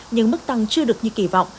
nhưng mức tăng chưa được như kỳ vọng